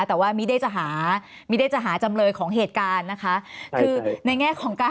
แต่ว่ามิไดเจหาจำเลยของเหตุการณ์นะคะ